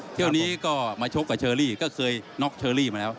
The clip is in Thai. เที่ยวนี้ก็มาชกกับเชอรี่ก็เคยน็อกเชอรี่มาแล้ว